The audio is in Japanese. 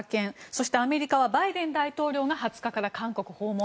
そして、アメリカはバイデン大統領が２０日から韓国訪問。